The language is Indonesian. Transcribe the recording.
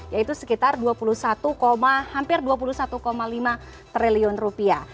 yaitu sekitar dua puluh satu hampir dua puluh satu lima triliun rupiah